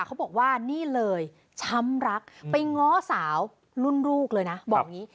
เขาบอกว่านี่เลยช้ำรักไปง้อสาวรุ่นลูกเลยนะบอกอย่างนี้